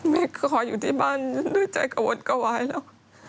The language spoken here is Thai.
ขออยู่ที่บ้านด้วยใจกระวนกระวายแล้ว